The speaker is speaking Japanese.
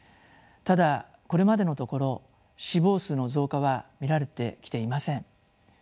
ただこれまでのところ死亡数の増加は見られてきていません。